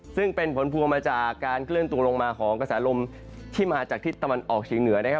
ซึ่งเป็นผลพวงมาจากการเคลื่อนตัวลงมาของกระแสลมที่มาจากทิศตะวันออกเฉียงเหนือนะครับ